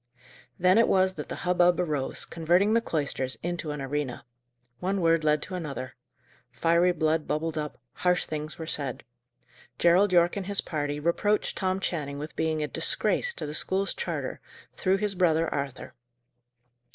Then it was that the hubbub arose, converting the cloisters into an arena. One word led to another. Fiery blood bubbled up; harsh things were said. Gerald Yorke and his party reproached Tom Channing with being a disgrace to the school's charter, through his brother Arthur.